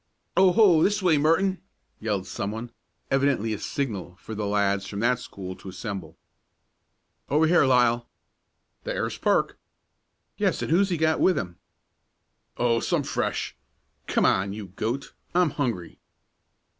"Oh ho! This way, Merton!" yelled someone, evidently a signal for the lads from that school to assemble. "Over here, Lisle!" "There's Perk!" "Yes, and who's he got with him?" "Oh, some Fresh. Come on, you goat. I'm hungry!"